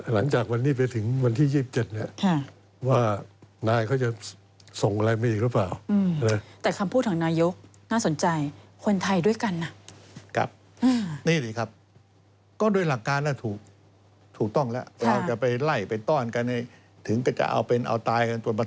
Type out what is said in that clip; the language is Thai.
หลังจากวันนี้ไปถึงวันที่๒๗ว่านายเขาจะส่งอะไรมาอีกหรือเปล่า